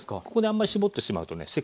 ここであんまり絞ってしまうとね